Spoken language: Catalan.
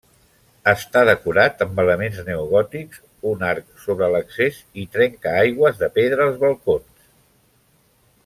Està decorat amb elements neogòtics, un arc sobre l'accés i trencaaigües de pedra als balcons.